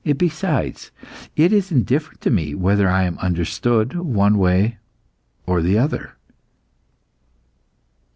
Besides, it is indifferent to me whether I am understood one way or the other."